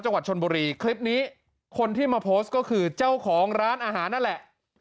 จังหวัดชนบุรีคลิปนี้คนที่มาโพสต์ก็คือเจ้าของร้านอาหารนั่นแหละ